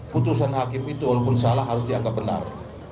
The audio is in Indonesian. putusan hakim itu walaupun salah harus dianggap benar